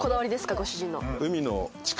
ご主人の。